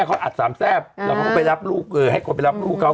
แม่เขาอัดสามแทบอ่าเราพาเขาไปรับลูกเกิดเอ่อให้เขาไปรับลูกเขา